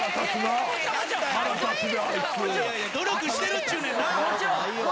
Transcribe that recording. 努力してるっちゅうねんな。